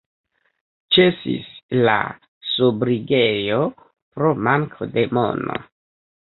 Ĉesis la sobrigejo pro manko de mono.